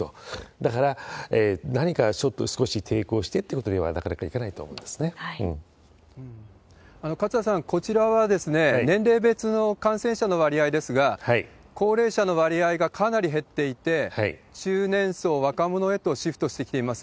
だから、何かちょっと少し抵抗してということにはなかなかいかないと思う勝田さん、こちらは年齢別の感染者の割合ですが、高齢者の割合がかなり減っていて、中年層、若者へとシフトしてきています。